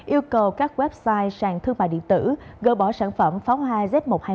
yêu cầu các website sàn thương mại điện tử gỡ bỏ sản phẩm pháo hoa z một trăm hai mươi